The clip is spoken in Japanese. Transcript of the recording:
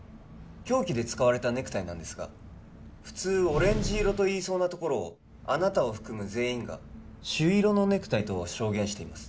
凶器で使われたネクタイですが普通オレンジ色と言いそうなところをあなたを含む全員が朱色のネクタイと証言しています